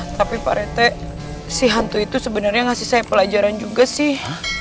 tapi parete si hantu itu sebenarnya nggak sisai pelajaran juga sih